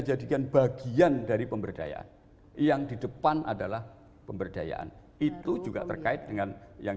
dijadikan bagian dari pemberdayaan yang di depan adalah pemberdayaan itu juga terkait dengan yang